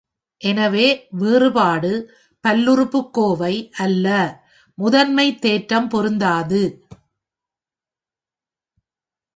எனவே, வேறுபாடு பல்லுறுப்புக்கோவை அல்ல, முதன்மை தேற்றம் பொருந்தாது.